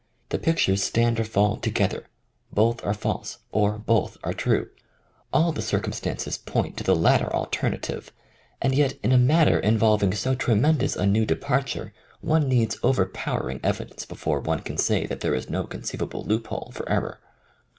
The pictures stand or fall together. Both are false, or both are true. All the circmnstances point to the latter alternative, and yet in a matter involving so tremendous a new departure one needs overpowering evidence before one can say that there is no conceivable loophole for error.